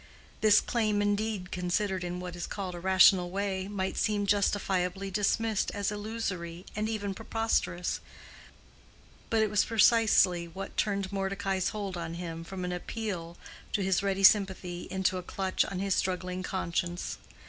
This claim, indeed, considered in what is called a rational way, might seem justifiably dismissed as illusory and even preposterous; but it was precisely what turned Mordecai's hold on him from an appeal to his ready sympathy into a clutch on his struggling conscience.